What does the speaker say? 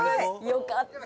よかった